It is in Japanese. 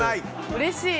うれしい！